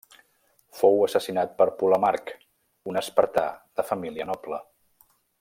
Fou assassinat per Polemarc, un espartà de família noble.